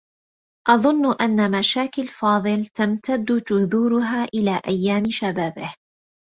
أظنّ أنّ مشاكل فاضل تمتدّ جذورها إلى أيّام شبابه.